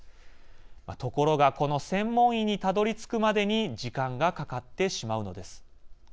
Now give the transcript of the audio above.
ところが、この専門医にたどり着くまでに時間がかかってしまうのです。